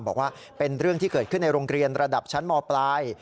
บอกว่าเป็นเรื่องที่เกิดขึ้นในโรงเรียนระดับชั้นมปลาย